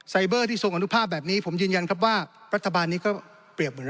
เบอร์ที่ทรงอนุภาพแบบนี้ผมยืนยันครับว่ารัฐบาลนี้ก็เปรียบหมดแล้ว